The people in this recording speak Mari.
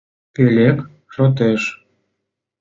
Пӧлек шотеш.